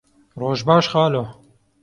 Roj baş xalo.